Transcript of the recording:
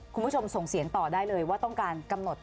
คุณผู้ชมส่งเสียงต่อได้เลยว่าต้องการกำหนด